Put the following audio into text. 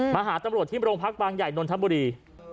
หาตำรวจที่โรงพักบางใหญ่นนทบุรี